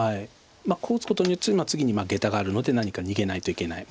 こう打つことによって次にゲタがあるので何か逃げないといけない。